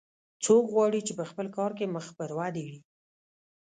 څوک غواړي چې په خپل کار کې مخ پر ودې وي